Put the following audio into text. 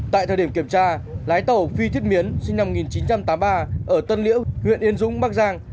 tại thời điểm kiểm tra lái tàu phi thiết miến sinh năm một nghìn chín trăm tám mươi ba ở tân liễu huyện yên dũng bắc giang